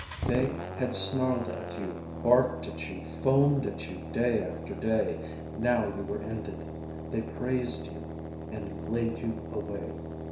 They had snarled at you, barked at you, foamed at you, day after day. Now you were ended. They praised you ... and laid you away.